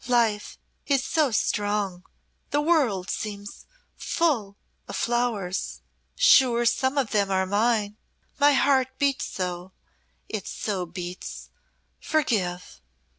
"Life is so strong; the world seems full of flowers. Sure some of them are mine. My heart beats so it so beats. Forgive!